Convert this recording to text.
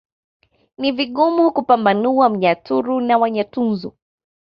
Ni vigumu kumpambanua Mnyaturu na Wanyatunzu